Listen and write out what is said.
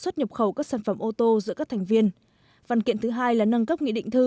xuất nhập khẩu các sản phẩm ô tô giữa các thành viên văn kiện thứ hai là nâng cấp nghị định thư